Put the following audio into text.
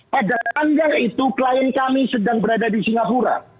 pada panjang itu klien kami sedang berada di singapura